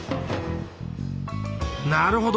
なるほど。